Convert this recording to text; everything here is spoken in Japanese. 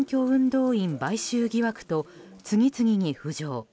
動員買収疑惑と次々に浮上。